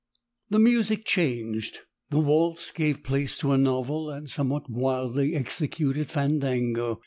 The music changed the waltz gave place to a novel and somewhat wildly executed fandango.